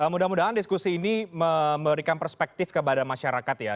mudah mudahan diskusi ini memberikan perspektif kepada masyarakat ya